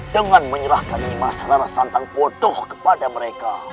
dengan menyerahkan lima serara santang bodoh kepada mereka